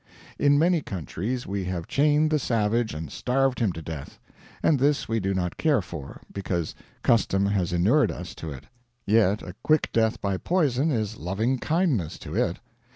In many countries we have chained the savage and starved him to death; and this we do not care for, because custom has inured us to it; yet a quick death by poison is lovingkindness to it.